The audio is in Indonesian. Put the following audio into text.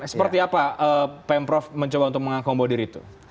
seperti apa pm prof mencoba untuk mengakombo diri itu